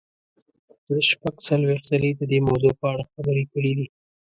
زه شپږ څلوېښت ځلې د دې موضوع په اړه خبرې کړې دي.